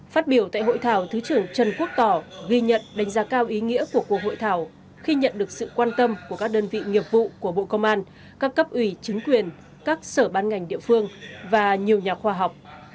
phát biểu tại hội thảo thứ trưởng trần quốc tỏ ghi nhận đánh giá cao ý nghĩa của cuộc hội thảo khi nhận được sự quan tâm của các đơn vị nghiệp vụ của bộ công an các cấp ủy chính quyền các sở ban ngành địa phương và nhiều nhà khoa học